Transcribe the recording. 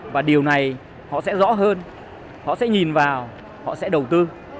và điều này họ sẽ rõ hơn họ sẽ nhìn vào họ sẽ đầu tư